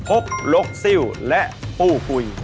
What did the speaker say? หกลกซิลและปู้กุย